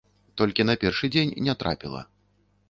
Толькі на першы дзень не трапіла.